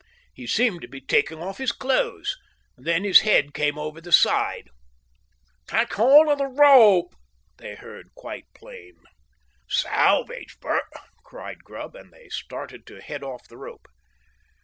He seemed to be taking off his clothes, then his head came over the side of the car. "Catch hold of the rope!" they heard, quite plain. "Salvage, Bert!" cried Grubb, and started to head off the rope.